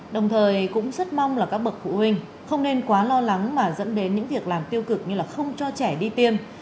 đồng thời cũng rất mong là các bậc phụ huynh không nên quá lo lắng mà dẫn đến những việc làm tiêu cực như là không cho trẻ đi tiêm